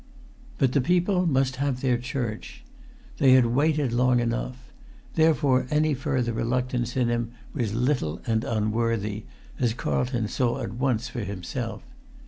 But the people must have their church. They had waited long enough. Therefore any further reluctance in him was little and unworthy, as Carlton saw at once for himself.